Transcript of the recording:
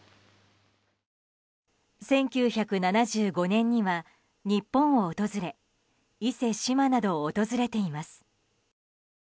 １９７５年には日本を訪れ伊勢志摩などを訪れています。